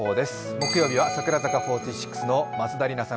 木曜日は櫻坂４６の松田里奈さん